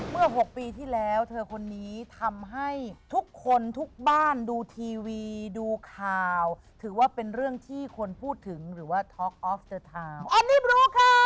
หกปีที่แล้วเธอคนนี้ทำให้ทุกคนทุกบ้านดูทีวีดูข่าวถือว่าเป็นเรื่องที่คนพูดถึงหรือว่าท็อกออฟเตอร์ทาวน์อันนี้บรูค่ะ